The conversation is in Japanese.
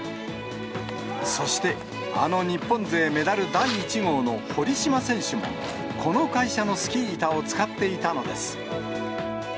そして、あの日本勢メダル第１号の堀島選手も、この会社のスキー板を使っていたのです。